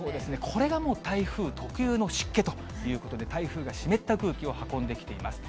これがもう、台風特有の湿気ということで、台風が湿った空気を運んできています。